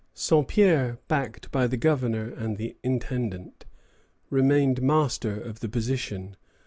Saint Pierre, backed by the Governor and the Intendant, remained master of the position.